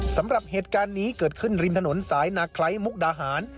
สำหรับเหตุการณ์นี้เกิดขึ้นริมถนนสายนาคล้ายมุกดาหาร